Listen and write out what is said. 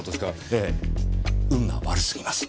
ええ運が悪すぎます。